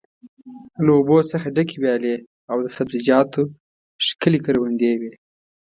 له اوبو څخه ډکې ویالې او د سبزیجاتو ښکلې کروندې وې.